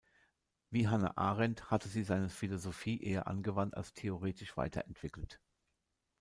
Wie Hannah Arendt hatte sie seine Philosophie eher angewandt als theoretisch weiterentwickelt.